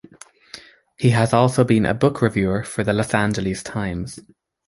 He has also been a book reviewer for the "Los Angeles Times".